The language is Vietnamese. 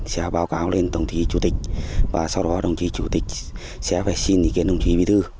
sẽ báo cáo lên đồng chí chủ tịch và sau đó đồng chí chủ tịch sẽ phải xin ý kiến đồng chí bí thư